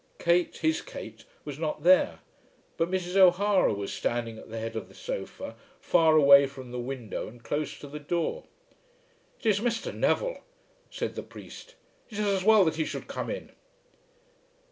Kate, his Kate, was not there, but Mrs. O'Hara was standing at the head of the sofa, far away from the window and close to the door. "It is Mr. Neville," said the priest. "It is as well that he should come in."